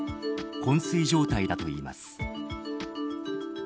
昏睡状態だといいます。